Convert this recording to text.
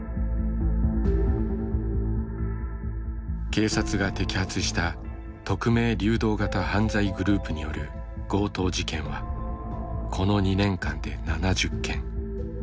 警察が摘発した匿名・流動型犯罪グループによる強盗事件はこの２年間で７０件。